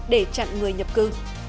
để chặn người nhập cư